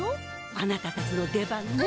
あなたたちの出番ね。